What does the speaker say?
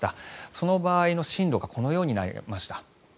その場合の進路がこのようになりました。